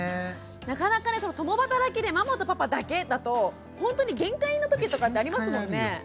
なかなかね共働きでママとパパだけだとほんとに限界のときとかってありますもんね。